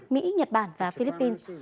mỹ nhật bản và philippines